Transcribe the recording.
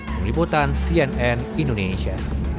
meliputan cnn indonesia